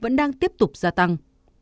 vẫn đang tiếp tục gia tăng